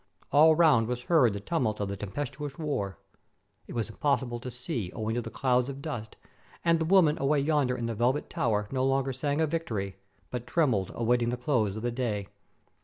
All round was heard the tumult of the tempestu ous war. It was impossible to see, owing to the clouds of dust, and the women away yonder in the velvet tower no longer sang of victory, but trembling awaited the close of the day.